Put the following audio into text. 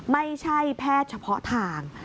ไม่ใช่แพทย์เฉพาะทาง